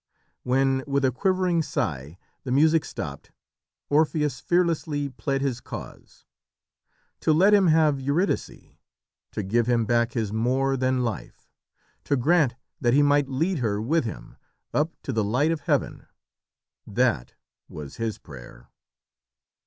When, with a quivering sigh, the music stopped, Orpheus fearlessly pled his cause. To let him have Eurydice, to give him back his more than life, to grant that he might lead her with him up to "the light of Heaven" that was his prayer.